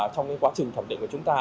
trong cái quá trình thẩm định của chúng ta